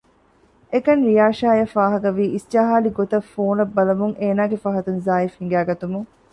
އެކަން ރިޔާޝާ އަށް ފާހަގަ ވީ އިސްޖަހާލި ގޮތަށް ފޯނަށް ބަލަމުން އޭނާގެ ފަހަތުން ޒާއިފް ހިނގައިގަތުމުން